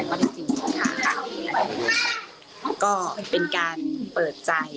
อยากให้สังคมรับรู้ด้วย